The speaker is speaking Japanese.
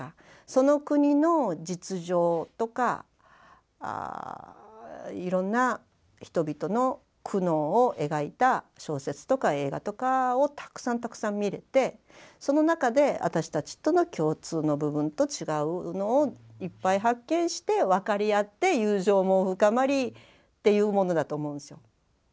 その国の実情とかいろんな人々の苦悩を描いた小説とか映画とかをたくさんたくさん見れてその中で私たちとの共通の部分と違うのをいっぱい発見して分かり合って友情も深まりっていうものだと思うんですよ。